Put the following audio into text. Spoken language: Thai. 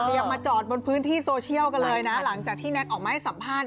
มาจอดบนพื้นที่โซเชียลกันเลยนะหลังจากที่แน็กออกมาให้สัมภาษณ์